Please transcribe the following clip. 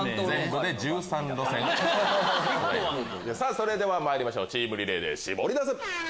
それではまいりましょうチームリレーでシボリダセ！